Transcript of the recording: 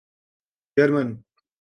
German